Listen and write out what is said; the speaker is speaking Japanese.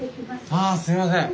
ああすいません。